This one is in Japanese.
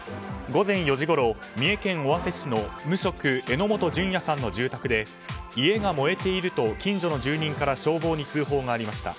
午前４時ごろ三重県尾鷲市の無職、榎本純也さんの住宅で家が燃えていると近所の住人から消防に通報がありました。